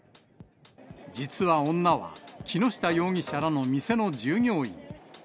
実は女は、木下容疑者らの店の従業員。